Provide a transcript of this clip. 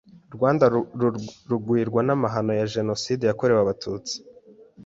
Rwanda rugwirwa n’amahano ya jenoside yakorewe abatutsi